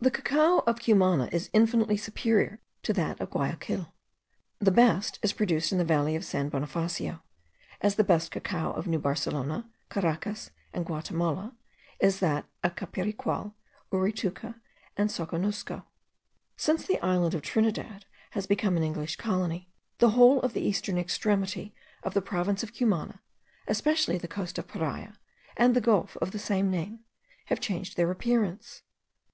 The cacao of Cumana is infinitely superior to that of Guayaquil. The best is produced in the valley of San Bonifacio; as the best cacao of New Barcelona, Caracas, and Guatimala, is that of Capiriqual, Uritucu, and Soconusco. Since the island of Trinidad has become an English colony, the whole of the eastern extremity of the province of Cumana, especially the coast of Paria, and the gulf of the same name, have changed their appearance.